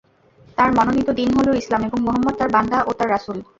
তার মনোনীত দীন হলো ইসলাম এবং মুহাম্মদ তাঁর বান্দা ও তাঁর রাসূল।